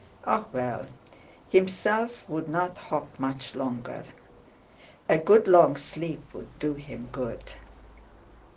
Ah, well! Himself would not hop much longer—a good long sleep would do him good!